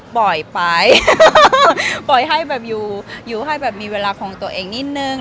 ปล่อยไปปล่อยให้แบบอยู่อยู่ให้แบบมีเวลาของตัวเองนิดนึง